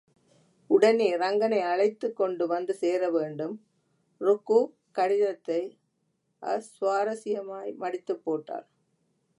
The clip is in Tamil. உடனே ரங்கனை அழைத்துக் கொண்டு வந்து சேரவேண்டும். ருக்கு கடிதத்தை அசுவாரசியமாய் மடித்துப் போட்டாள்.